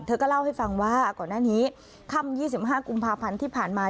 เธอก็เล่าให้ฟังว่าก่อนหน้านี้ค่ำ๒๕กุมภาพันธ์ที่ผ่านมา